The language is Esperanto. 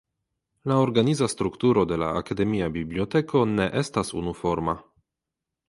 La organiza strukturo de la akademia biblioteko ne estas unuforma.